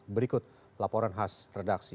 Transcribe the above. berikut laporan khas redaksi